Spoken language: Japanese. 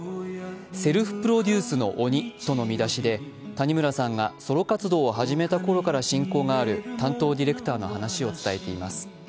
「セルフプロデュースの鬼」との見出しで、谷村さんがソロ活動を始めたころから親交のある担当ディレクターの話を伝えています。